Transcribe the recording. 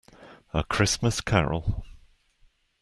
A Christmas Carol.